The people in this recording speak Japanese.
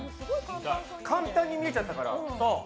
簡単に見えちゃったから。